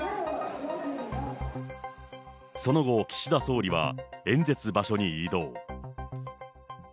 その後、岸田総理は演説場所に移動。